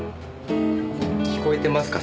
聞こえてますか？